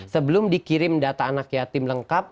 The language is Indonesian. sebelum dikirim data anak yatim lengkap